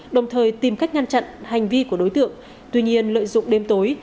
đồng thời tìm cách ngăn chặn hành vi của đối tượng tuy nhiên lợi dụng đêm tối